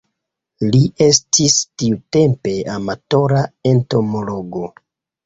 Li estis tiutempe amatora entomologo.